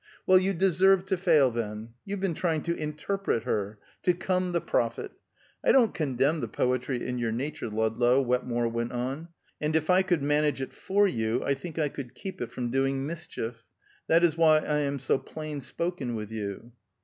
Well, you deserved to fail, then. You've been trying to interpret her; to come the prophet! I don't condemn the poetry in your nature, Ludlow," Wetmore went on, "and if I could manage it for you, I think I could keep it from doing mischief. That is why I am so plain spoken with you."